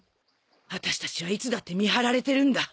私たちはいつだって見張られてるんだ